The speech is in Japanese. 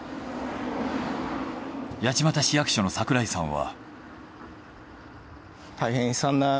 八街市役所の櫻井さんは。